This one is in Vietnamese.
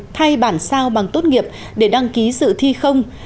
thay bản sao bằng tốt nghiệp để đăng ký sự thi không